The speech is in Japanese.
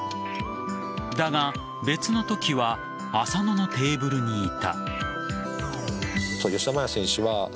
だが、別のときは浅野のテーブルにいた。